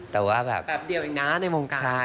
แต่ว่าแบบแบบเดียวอย่างนั้นในมงการ